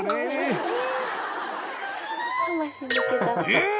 ［えっ？